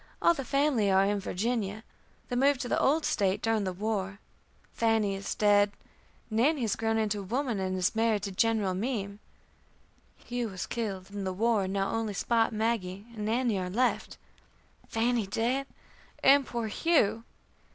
All the family are in Virginia. They moved to the old State during the war. Fannie is dead. Nannie has grown into a woman and is married to General Meem. Hugh was killed in the war, and now only Spot, Maggie, and Nannie are left." "Fannie, dead! and poor Hugh!